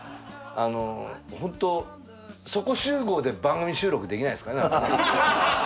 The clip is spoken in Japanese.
あのホントそこ集合で番組収録できないですかね。